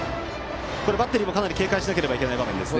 これはバッテリーもかなり警戒しなければいけない場面です。